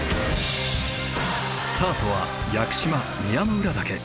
スタートは屋久島宮之浦岳。